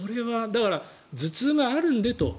だから、頭痛があるのでと。